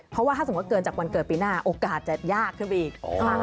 เพราะว่าถ้าสมมุติเกินจากวันเกิดปีหน้าโอกาสจะยากขึ้นไปอีก